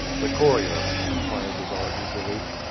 "The courier?" inquired the Czar eagerly.